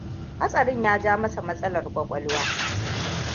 Hatasarin ya ja masa matsalar ƙwaƙwalwa.